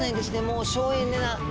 もう省エネな。